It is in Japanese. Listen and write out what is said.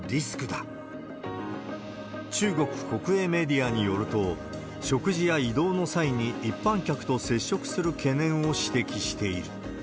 中国国営メディアによると、食事や移動の際に一般客と接触する懸念を指摘している。